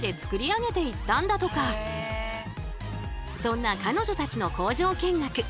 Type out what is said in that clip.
そんな彼女たちの工場見学。